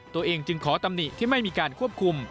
ตัวเองจึงขอตำหนิที่ไม่มีการควบคุม